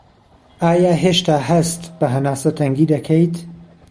ئایا هێشتا هەست بە هەناسه تەنگی دەکەیت